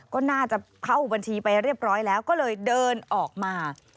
ก็น่าจะเข้าบัญชีไปเรียบร้อยแล้วก็เลยเดินออกมา